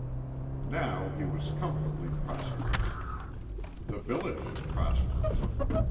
Now he was comfortably prosperous. The village was prosperous.